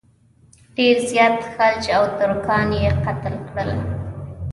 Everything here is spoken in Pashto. ډېر زیات خلج او ترکان یې قتل کړل.